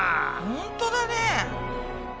ほんとだね！